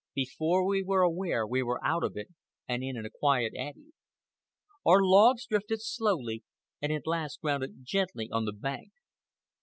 Before we were aware, we were out of it and in a quiet eddy. Our logs drifted slowly and at last grounded gently on the bank.